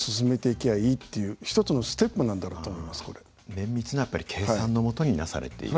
綿密なやっぱり計算のもとになされている。